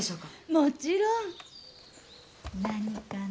もちろん。何かな？